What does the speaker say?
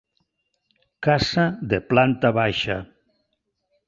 Casa de planta baixa.